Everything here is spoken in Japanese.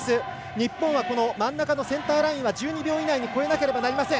日本は真ん中のセンターラインは１２秒以内に越えなきゃいけません。